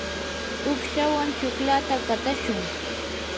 uqshawan chuklata qatashun.